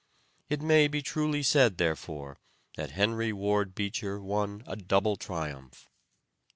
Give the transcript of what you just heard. It may be truly said, therefore, that Henry Ward Beecher won a double triumph.